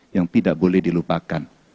yang tidak boleh dilupakan